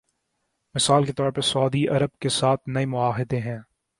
مثال کے طور پر سعودی عرب کے ساتھ نئے معاہدے ہیں۔